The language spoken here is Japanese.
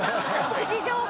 プチ情報。